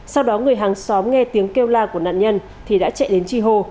sau đó người hàng xóm nghe tiếng kêu la của nạn nhân thì đã chạy đến tri hồ